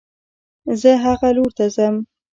زه هغه لور ته ځم